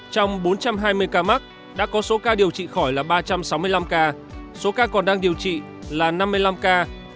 trong bốn trăm hai mươi ca mắc đã có số ca điều trị khỏi là ba trăm sáu mươi năm ca số ca còn đang điều trị là năm mươi năm ca